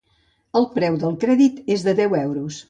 El preu del crèdit és de deu euros.